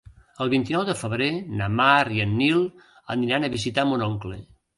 El vint-i-nou de febrer na Mar i en Nil aniran a visitar mon oncle.